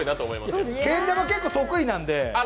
けん玉、結構得意なんで。